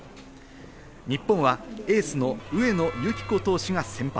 日本はエースの上野由岐子投手が先発。